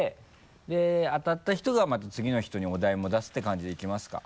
で当たった人がまた次の人にお題も出すって感じでいきますか